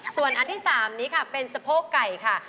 ส่วนอันที่๓นี้ค่ะเป็นสะโพกไก่ค่ะ